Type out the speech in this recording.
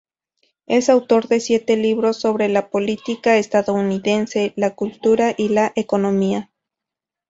Es autor de siete libros sobre la política estadounidense, la cultura y la economía.